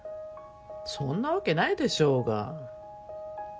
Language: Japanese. そんなわけないでしょうが。